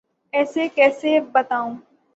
ایسے کیسے بتاؤں؟